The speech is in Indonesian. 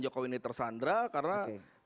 jokowi ini tersandar karena